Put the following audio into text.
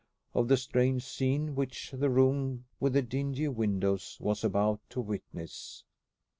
of the strange scene which the room with the dingy windows was about to witness.